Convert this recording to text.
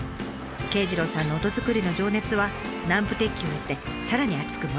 圭次郎さんの音づくりの情熱は南部鉄器を得てさらに熱く燃え上がっています。